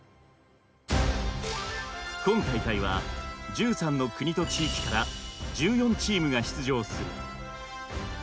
今大会は１３の国と地域から１４チームが出場する。